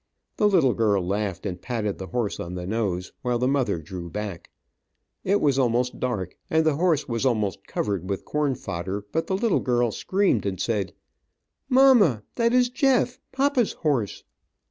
The little girl laughed and patted the horse on the nose, while the mother drew back. It was almost dark and the horse was almost covered with corn fodder, but the little girl screamed and said: "Mamma, that is Jeff, papa's horse!"